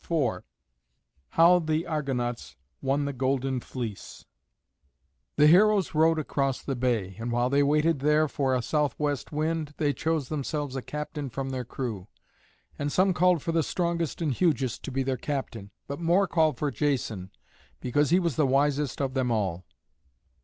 IV HOW THE ARGONAUTS WON THE GOLDEN FLEECE The heroes rowed across the bay, and while they waited there for a southwest wind, they chose themselves a captain from their crew. And some called for the strongest and hugest to be their captain, but more called for Jason, because he was the wisest of them all.